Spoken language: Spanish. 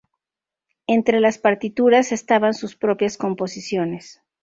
Entre las partituras estaban sus propias composiciones.